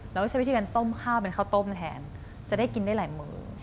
เราก็ใช้วิธีการต้มข้าวเป็นข้าวต้มแทนจะได้กินได้หลายมือ